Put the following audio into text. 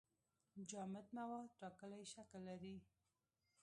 جامد مواد ټاکلی شکل لري.